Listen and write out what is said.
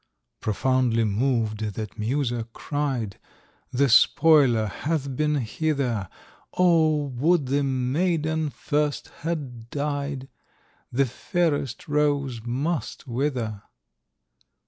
Profoundly moved, that muser cried: The spoiler hath been hither; O! would the maiden first had died,— The fairest rose must wither!